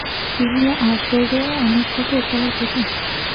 তিনি আসরে অনেক টাকা উপহার পেতেন।